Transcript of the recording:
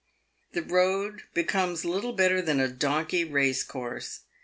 The road becomes little better than a donkey race course.